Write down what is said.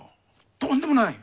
とんでもない！